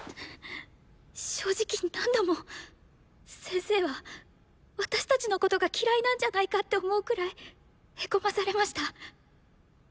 正直何度も先生は私たちのことが嫌いなんじゃないかって思うくらいへこまされました。